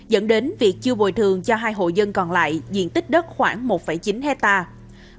dẫn đến việc chưa bồi thường cho hai hộ dân còn lại diện tích đất khoảng một chín hectare